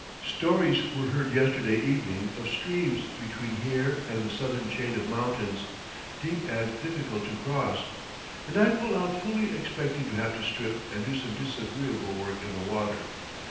Stories were heard yesterday evening of streams between here and the southern chain of mountains, deep and difficult to cross; and I pull out fully expecting to have to strip and do some disagreeable work in the water.